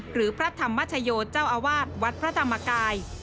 หรือพระธรรมชโยเจ้าอาวาสวัดพระธรรมกาย